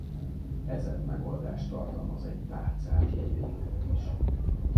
Ezen megoldás tartalmaz egy tárcát jegyeinknek is.